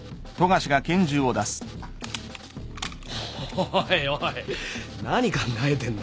おいおい何考えてんだよ